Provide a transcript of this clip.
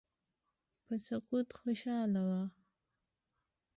په سقوط خوشاله وه.